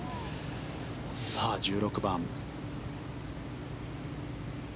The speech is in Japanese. さあ、１６番。